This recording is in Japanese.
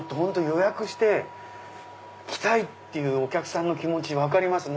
予約して来たい！っていうお客さんの気持ち分かります。